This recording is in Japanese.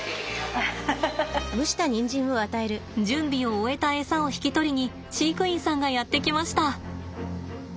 準備を終えたエサを引き取りに飼育員さんがやって来ました。